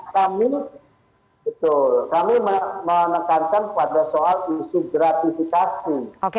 dananya kami menekankan pada soal isu gratifikasi